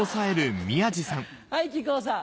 はい木久扇さん。